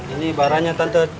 ini barangnya tante